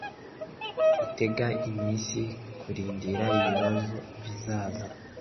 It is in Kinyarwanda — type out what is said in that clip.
gutega iminsi kurindira ibibazo bizaza